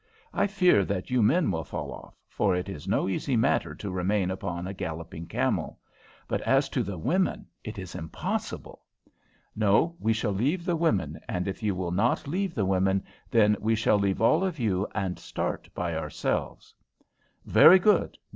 I fear that you men will fall off, for it is no easy matter to remain upon a galloping camel; but as to the women, it is impossible. No, we shall leave the women, and if you will not leave the women, then we shall leave all of you and start by ourselves." "Very good!